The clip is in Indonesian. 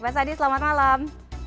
mas adi selamat malam